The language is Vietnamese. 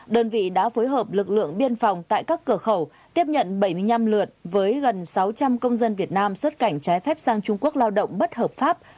đơn vị đã phối hợp lực lượng biên phòng tại các cửa khẩu tiếp nhận bảy mươi năm lượt với gần sáu trăm linh công dân việt nam xuất cảnh trái phép sang trung quốc lao động bất hợp pháp